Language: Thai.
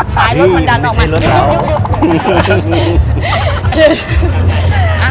ชายมันมีใช้รถหนาว